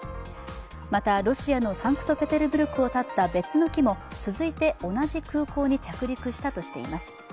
また、ロシアのサンクトペテルブルクをたった別の機も続いて同じ空港に着陸したとしています。